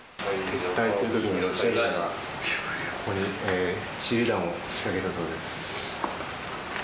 撤退するときにロシア兵が、ここに手りゅう弾を仕掛けたそうです。